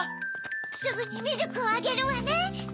すぐにミルクをあげるわね。